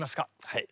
はい。